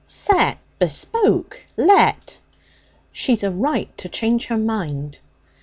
'Set. Bespoke. Let.' 'She's a right to change her mind.'